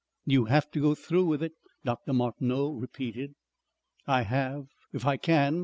"You have to go through with it," Dr. Martineau repeated. "I have. If I can.